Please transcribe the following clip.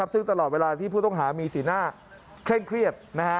ซึ่งตลอดเวลาที่ผู้ต้องหามีสีหน้าเคร่งเครียด